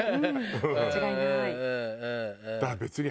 うん間違いない。